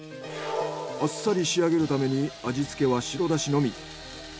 あっさり仕上げるために味付けは白だしのみ。